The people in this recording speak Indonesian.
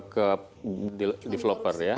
ke developer ya